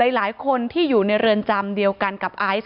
หลายคนที่อยู่ในเรือนจำเดียวกันกับไอซ์